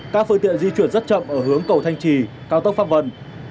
các phương tiện di chuyển rất chậm ở hướng cầu thanh trì cao tốc pháp vân